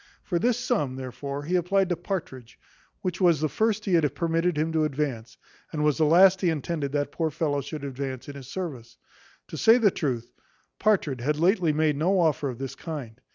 For this sum, therefore, he applied to Partridge, which was the first he had permitted him to advance, and was the last he intended that poor fellow should advance in his service. To say the truth, Partridge had lately made no offer of this kind.